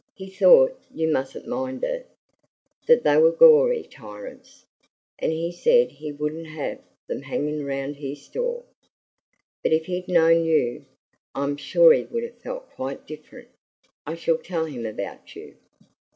He thought you mustn't mind it that they were gory tyrants; and he said he wouldn't have them hanging around his store. But if he'd known YOU, I'm sure he would have felt quite different. I shall tell him about you."